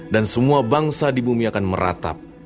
dan semua bangsa di bumi akan meratap